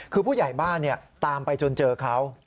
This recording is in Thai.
คือผู้ใหญ่บ้านตามไปจนเจอเขา